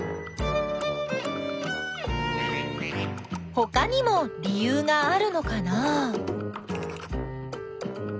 ほかにも理ゆうがあるのかな？